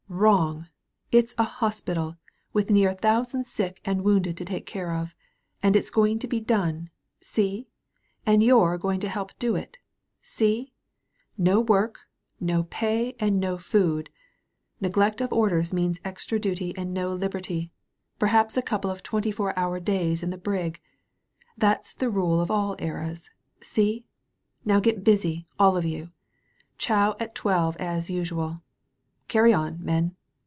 Wrong! It's a hospital, with near a thousand sick and wounded to take care of. And it's going to be done, see? And you're going to help do it, see? No work — ^no pay and no food! Ne^ect of orders means extra duty and no liberty — perhaps a couple of twenty four hour days in the brig. That's the rule in all eras, see? Now get huay, all of you. Chow at twelve as usual. Carry on, men.